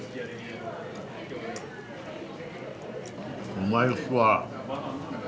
うまいっすわ！